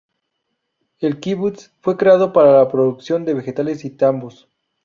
El kibutz fue creado para la producción de vegetales y tambos.